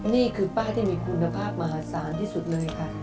นี่คือป้าที่มีคุณภาพมหาศาลที่สุดเลยค่ะ